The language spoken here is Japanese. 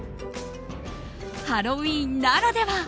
ハロウィーンならでは！